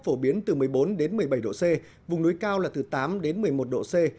phổ biến từ một mươi bốn đến một mươi bảy độ c vùng núi cao là từ tám đến một mươi một độ c